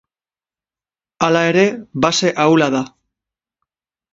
Hala ere base ahula da.